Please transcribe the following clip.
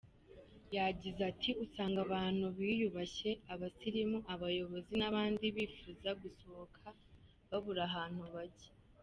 Yagize ati “Usanga abantu biyubashye, abasirimu, abayobozi n’abandi bifuza gusohoka babura ahantu bajya.